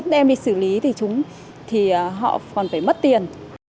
nếu đem đi xử lý thì họ còn phải mất tiền